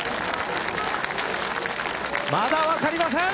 まだ分かりません。